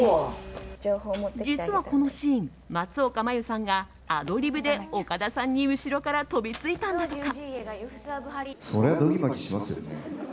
実は、このシーン松岡茉優さんがアドリブで岡田さんに後ろから飛びついたんだとか。